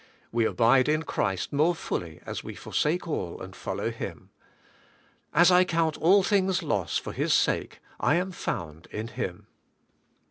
We abide in Christ more fully as we forsake all and follow Him. As I count all things loss for His sake, I am found IN Him.